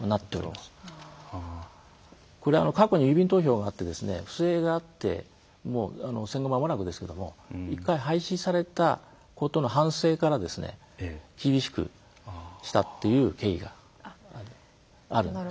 これは過去に郵便投票があって不正があって戦後まもなくですけども一回廃止されたことの反省から厳しくしたっていう経緯があるんです。